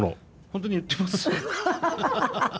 本当に言ってます？